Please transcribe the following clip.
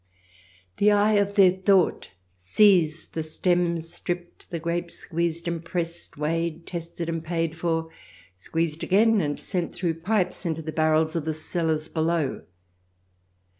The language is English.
The eye of their thought sees the stems stripped, the grapes squeezed and pressed, weighed, tested, and paid for, squeezed again, and sent through pipes into the barrels of the cellars below.